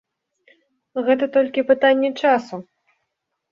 Гэта толькі пытанне часу.